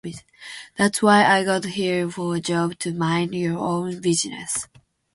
That's why I got here for a job to mind your own business.